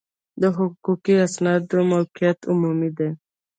د حقوقي اسنادو موقعیت عمودي دی.